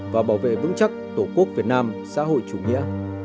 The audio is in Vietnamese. và bảo vệ vững chắc tổ quốc việt nam xã hội chủ nghĩa